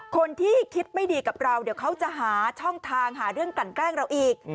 คนที่คิดไม่ดีกับเราเดี๋ยวเขาจะหาช่องทางหาเรื่องกันแกล้งเราอีก